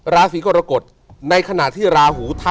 ราศีกรกฏ